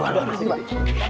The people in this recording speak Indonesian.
eh terakhir jangan dicara